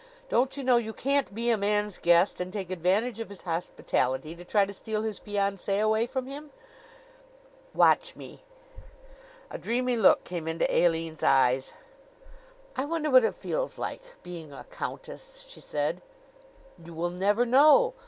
Don't you know you can't be a man's guest and take advantage of his hospitality to try to steal his fiancee away from him?" "Watch me." A dreamy look came into Aline's eyes. "I wonder what it feels like, being a countess," she said. "You will never know."